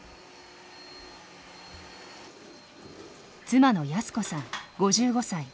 妻の恭子さん５５歳。